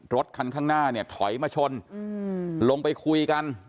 รถคันข้างหน้าเนี่ยถอยมาชนลงไปคุยกัน